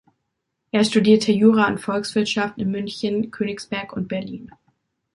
Er studierte Jura und Volkswirtschaft in München, Königsberg und Berlin.